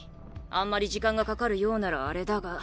あんまり時間がかかるようならあれだが。